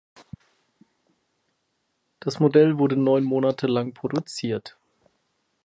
Das Modell wurde neun Monate lang produziert.